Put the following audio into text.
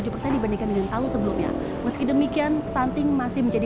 yang lebih besar dibandingkan dengan tahun sebelumnya meski demikian stunting masih menjadi